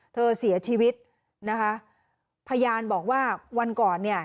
เสียชีวิตนะคะพยานบอกว่าวันก่อนเนี่ย